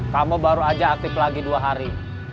kamu baru aja aktif lagi dua hari